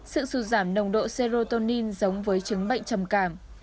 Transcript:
sự sụt giảm nồng độ crotonin giống với chứng bệnh trầm cảm